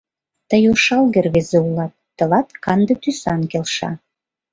Тый ошалге рвезе улат, тылат канде тӱсан келша...